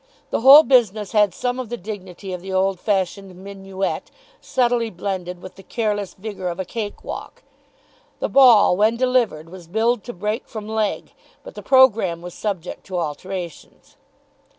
The whole business had some of the dignity of the old fashioned minuet, subtly blended with the careless vigour of a cake walk. The ball, when delivered, was billed to break from leg, but the programme was subject to alterations.